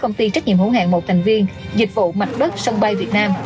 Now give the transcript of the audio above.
công ty trách nhiệm hỗn hạn một thành viên dịch vụ mạch đất sân bay việt nam